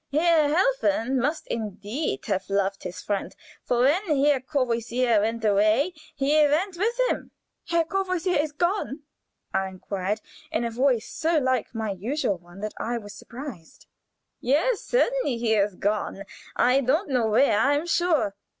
"Herr Helfen must indeed have loved his friend, for when Herr Courvoisier went away he went with him." "Herr Courvoisier is gone?" I inquired, in a voice so like my usual one that I was surprised. "Yes, certainly he is gone. I don't know where, I am sure."